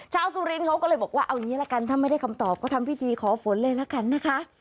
สุรินทร์เขาก็เลยบอกว่าเอางี้ละกันถ้าไม่ได้คำตอบก็ทำพิธีขอฝนเลยละกันนะคะ